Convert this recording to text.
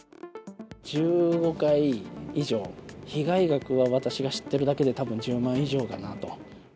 １５回以上、被害額は私が知っているだけで、たぶん１０万以上かなと。